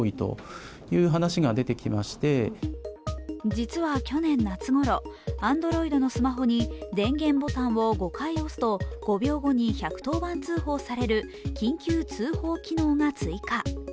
実は去年夏ごろ、Ａｎｄｒｏｉｄのスマホに電源ボタンを５回押すと５秒後に１１０番通報される緊急通報機能が追加。